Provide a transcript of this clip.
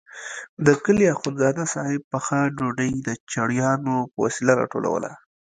د کلي اخندزاده صاحب پخه ډوډۍ د چړیانو په وسیله راټولوله.